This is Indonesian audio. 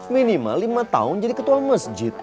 minimal lima tahun jadi ketua masjid